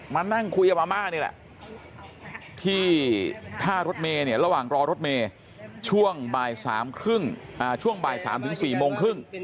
มานั่งคุยกับอาม่านี่แหละที่ท่ารถเมย์เนี่ยระหว่างรอรถเมย์ช่วงบ่าย๓ช่วงบ่าย๓๔โมงครึ่ง